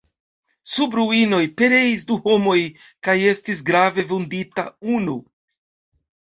Sub ruinoj pereis du homoj kaj estis grave vundita unu.